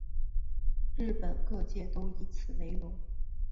日本各界都以此为荣。